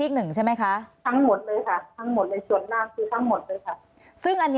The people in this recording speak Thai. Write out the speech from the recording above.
อันดับที่สุดท้าย